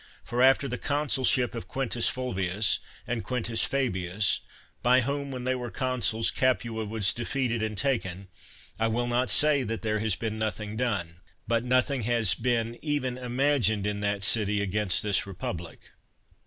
For after the consulship of Quintus Fulvius and Quintus Fabius, by whom, when they were con suls, Capua was defeated and taken, I will not say there has been nothing done, but nothing has been even imagined in that city against this republic.